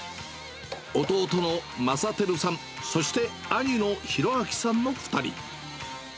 弟の正輝さん、そして兄の博暁さんの２人。